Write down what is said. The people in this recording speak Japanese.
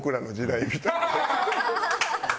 ハハハハ！